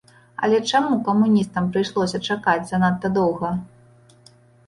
Але чаму камуністам прыйшлося чакаць занадта доўга?